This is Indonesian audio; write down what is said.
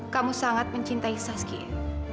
kamu sangat mencintai saskia